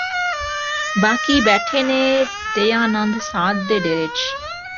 ਬਾਕੀ ਬੈਠੇ ਨੇ ਦਯਾਨੰਦ ਸਾਧ ਦੇ ਡੇਰੇ ਚ